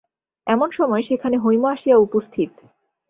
এমন সময়ে সেখানে হৈম আসিয়া উপস্থিত।